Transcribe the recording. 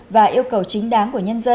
và yêu cầu chính đáng của nhân dân